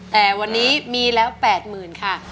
แต่วันนี้มีแล้ว๘๐๐๐ค่ะ